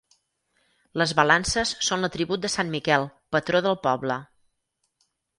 Les balances són l'atribut de sant Miquel, patró del poble.